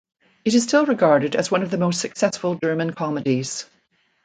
It is still regarded as one of the most successful German comedies.